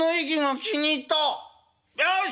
よし！